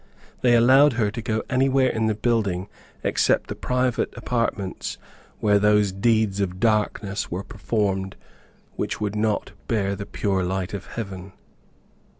They allowed her to go anywhere in the building except the private apartments where those deeds of darkness were performed which would not bear the pure light of heaven.